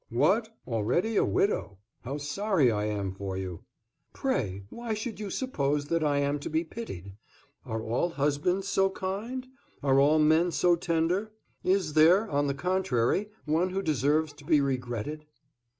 "What, already a widow? How sorry I am for you!" "Pray, why should you suppose that I am to be pitied? Are all husbands so kind? Are all men so tender? Is there, on the contrary, one who deserves to be regretted?"